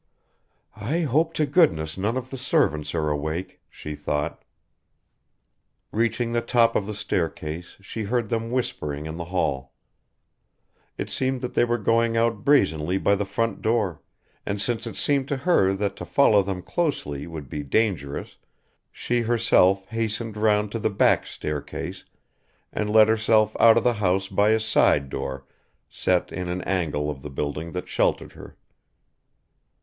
"I hope to goodness none of the servants are awake," she thought... Reaching the top of the staircase she heard them whispering in the hall. It seemed that they were going out brazenly by the front door, and since it seemed to her that to follow them closely would be dangerous she herself hastened round to the back staircase and let herself out of the house by a side door set in an angle of the building that sheltered her.